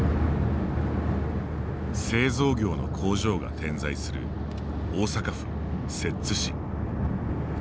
製造業の工場が点在する大阪府摂津市。